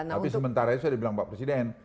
tapi sementara itu sudah dibilang pak presiden